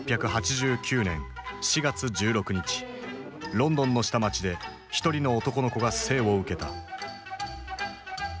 ロンドンの下町で一人の男の子が生をうけた。